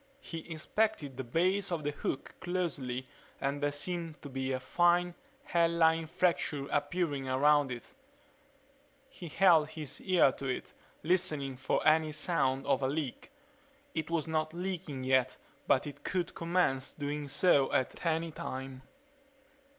He inspected the base of the hook closely and there seemed to be a fine, hairline fracture appearing around it. He held his ear to it, listening for any sound of a leak. It was not leaking yet but it could commence doing so at any time.